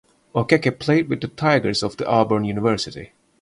Okeke played with the Tigers of the Auburn University.